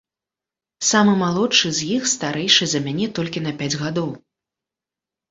Самы малодшы з іх старэйшы за мяне толькі на пяць гадоў.